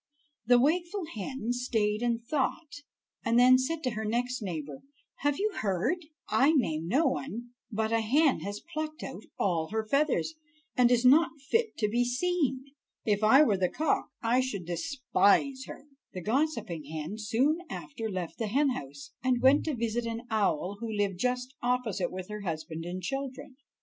The wakeful hen stayed and thought, and then said to her next neighbor: "Have you heard? I name no one, but a hen has plucked out all her feathers, and is not fit to be seen. If I were the cock, I should despise her." The gossiping hen soon after left the hen house, and went to visit an owl who lived just opposite with her husband and children.